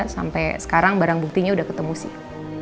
sampai sekarang barang buktinya udah ketemu sih